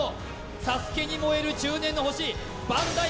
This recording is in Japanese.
ＳＡＳＵＫＥに燃える中年の星ＢＡＮＤＡＩ